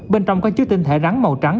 bên trong có chứa tinh thể rắn màu trắng